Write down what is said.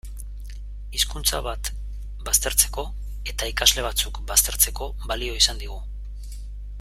Hizkuntza bat baztertzeko eta ikasle batzuk baztertzeko balio izan digu.